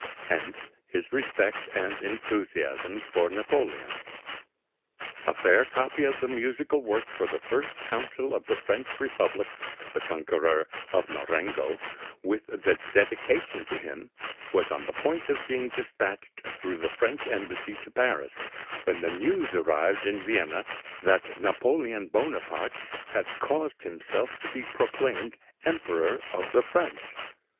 Hence his respect and enthusiasm for Napoleon. "A fair copy of the musical work for the First Consul of the French Republic, the conqueror of Marengo, with the dedication to him, was on the point of being despatched through the French embassy to Paris, when the news arrived in Vienna that Napoleon Bonaparte had caused himself to be proclaimed Emperor of the French.